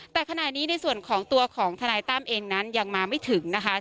แต่ขณะนี้ในส่วนของตัวของทนายตั้มเองนั้นยังมาไม่ถึงนะคะ